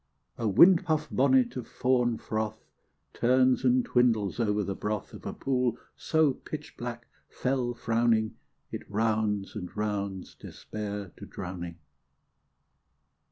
A windpuff bonnet of fawn fr6th Turns and twindles over the broth Of a pool so pitchblack, fe"ll fr6wning, It rounds and rounds Despair to drowning.